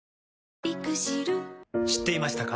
知っていましたか？